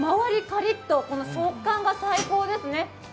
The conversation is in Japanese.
カリッと食感が最高ですね。